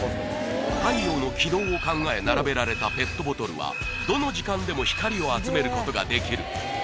太陽の軌道を考え並べられたペットボトルはどの時間でも光を集めることができる